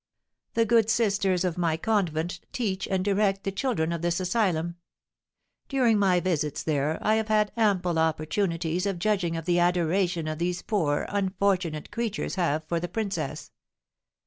"The good sisters of my convent teach and direct the children of this asylum. During my visits there I have had ample opportunities of judging of the adoration that these poor, unfortunate creatures have for the princess.